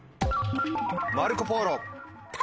「マルコ・ポーロ」。